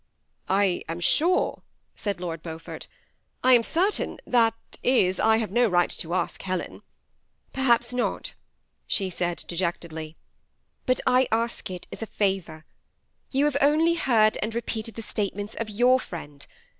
'^ I am sore," said Lord Beaufort, —" I am certain, — that is, I have no right to ask Helen." ^ Perhaps not," she said, dejectedlj ;but I ask it as a favor. You have only heard and repeated the state ments of ycmr friend.